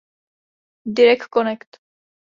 Direct Connect.